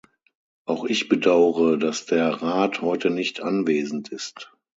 Auch ich bedaure, dass der Rat heute nicht anwesend ist.